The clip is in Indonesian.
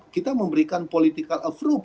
kita memberikan political approve